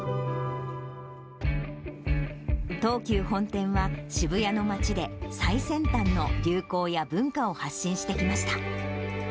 東急本店は、渋谷の街で最先端の流行や文化を発信してきました。